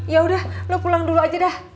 yaudah lo pulang dulu aja dah